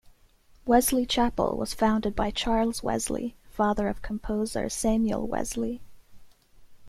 Wesley Chapel was founded by Charles Wesley, father of composer Samuel Wesley.